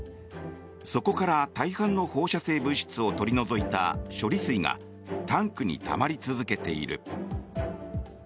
そこから大半の放射性物質を取り除いた処理水がタンクにたまり続けている。